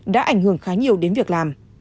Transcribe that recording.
đã ảnh hưởng khá nhiều đến việc làm